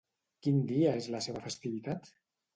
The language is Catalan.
Quin dia és la seva festivitat?